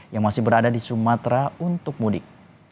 yang masih berada di sumatera untuk mudik